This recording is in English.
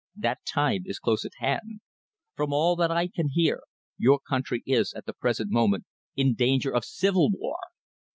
That time is close at hand. From all that I can hear, your country is, at the present moment, in danger of civil war.